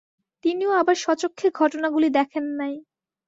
তিনিও আবার স্বচক্ষে ঘটনাগুলি দেখেন নাই।